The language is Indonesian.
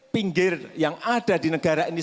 pinggir yang ada di negara ini